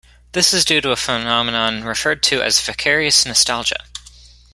This is due to a phenomenon referred to as vicarious nostalgia.